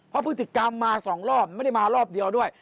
เพราะพฤติกรรมมา๒รอบไม่ได้มารอบเดียวด้วย